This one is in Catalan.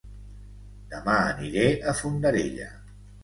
Dema aniré a Fondarella